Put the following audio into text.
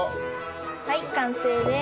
はい完成です。